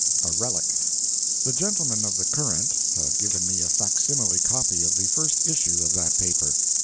A Relic. The gentlemen of the Courant have given me a facsimile copy of the first issue of that paper.